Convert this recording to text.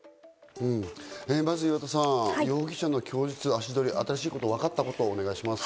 まず岩田さん、容疑者の供述、足取り、新しいこと、わかったことをお願いします。